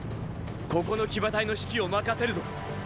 ここの騎馬隊の指揮を任せるぞ！